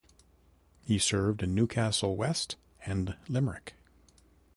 He served in Newcastle West and Limerick.